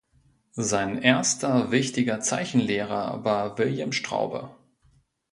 Sein erster wichtiger Zeichenlehrer war William Straube.